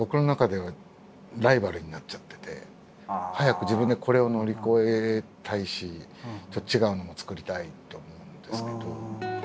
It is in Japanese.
早く自分でこれを乗り越えたいし違うのも作りたいと思うんですけど。